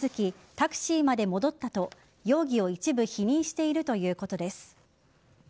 タクシーまで戻ったと容疑を一部否認しているということです。